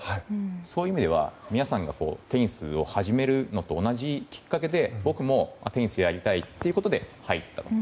そういう意味では皆さんがテニスを始めるのと同じきっかけで僕もテニスをやりたいということで入ったんです。